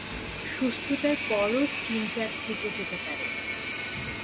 সুস্থতার পরও skin tag থেকে যেতে পারে।